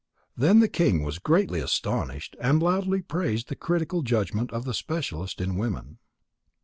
Then the king was greatly astonished and loudly praised the critical judgment of the specialist in women.